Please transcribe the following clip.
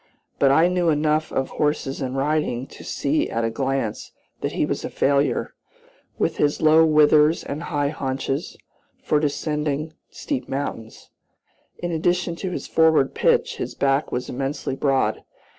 But I knew enough of horses and riding to see at a glance that he was a failure, with his low withers and high haunches, for descending steep mountains. In addition to his forward pitch, his back was immensely broad.